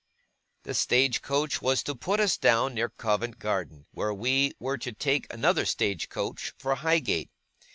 The stage coach was to put us down near Covent Garden, where we were to take another stage coach for Highgate.